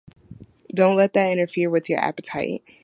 Don’t let that interfere with your appetite.